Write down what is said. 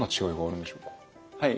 はい。